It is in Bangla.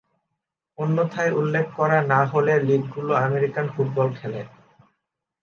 অন্যথায় উল্লেখ করা না হলে লীগগুলো আমেরিকান ফুটবল খেলে।